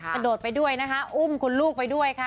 กระโดดไปด้วยนะคะอุ้มคุณลูกไปด้วยค่ะ